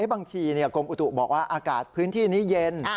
บางทีกรมอุตุบอกว่าอากาศพื้นที่นี้เย็น